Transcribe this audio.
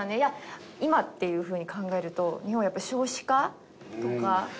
今っていうふうに考えると日本はやっぱり少子化とか。